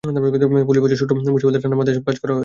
Police বলছে, সূত্র মুছে ফেলতে ঠান্ডা মাথায় এসব কাজ করা হয়েছে।